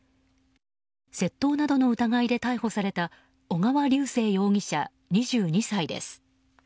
窃盗などの疑いで逮捕された小川龍生容疑者、２２歳です。